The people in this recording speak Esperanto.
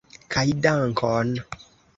Kaj dankon!